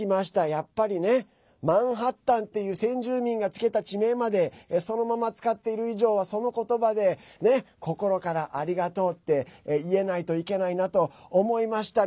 やっぱり、マンハッタンっていう先住民がつけた地名までそのまま使っている以上はそのことばで心からありがとうって言えないといけないなと思いました。